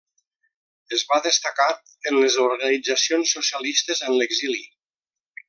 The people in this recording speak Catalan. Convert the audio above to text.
Es va destacar en les organitzacions socialistes en l'exili.